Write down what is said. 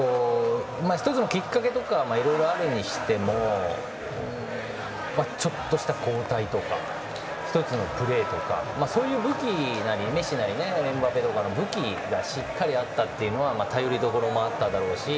１つのきっかけとかはいろいろあるにしてもちょっとした交代とか１つのプレーとかそういう武器が、メッシなりエムバペなんかの武器がしっかりあったというのは頼りどころもあっただろうし。